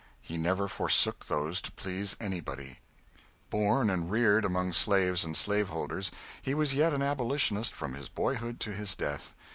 He never forsook those to please anybody. Born and reared among slaves and slaveholders, he was yet an abolitionist from his boyhood to his death.